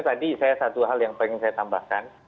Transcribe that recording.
tadi saya satu hal yang ingin saya tambahkan